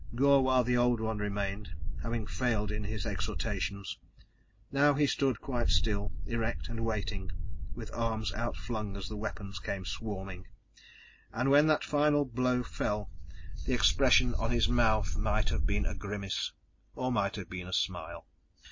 Gor wah the Old One remained, having failed in his exhortations; now he stood quite still, erect and waiting, with arms outflung as the weapons came swarming, and when that final blow fell the expression upon his mouth might have been a grimace or might have been a smile....